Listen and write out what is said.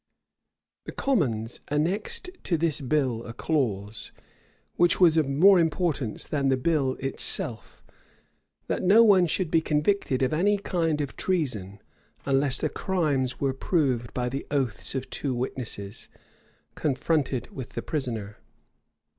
The commons annexed to this bill a clause, which was of more importance than the bill itself, that no one should be convicted of any kind of treason, unless the crime were proved by the oaths of two witnesses, confronted with the prisoner.